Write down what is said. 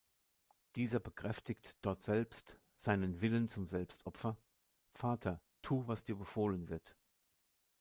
Dieser bekräftigt dortselbst „seinen Willen zum Selbstopfer: ‚Vater, tu, was dir befohlen wird.